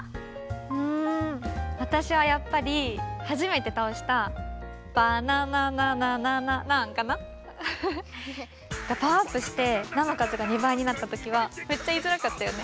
うんわたしはやっぱりはじめてたおしたパワーアップしてナのかずが２ばいになったときはめっちゃいいづらかったよね。